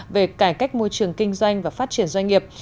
về cải cách môi trường kinh doanh và phát triển doanh nghiệp